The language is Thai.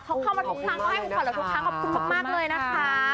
เขาให้ให้ขุมขันเราทุกครั้งคุณบอกมากเลยนะคะ